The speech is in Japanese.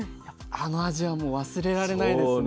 あの味はもう忘れられないですね。